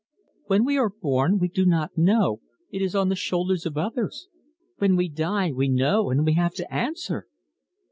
"When we are born we do not know. It is on the shoulders of others. When we die we know, and we have to answer."